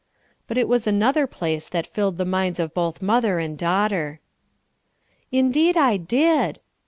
But it was another place that filled the minds of both mother and daughter. "Indeed I did."